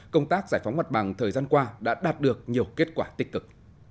công tác giải phóng mặt bằng thời gian qua đã đạt được nhiều kết quả tích cực